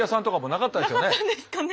なかったんですかね。